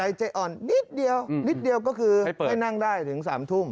ใจอ่อนนิดเดียวนิดเดียวก็คือให้นั่งได้ถึง๓ทุ่ม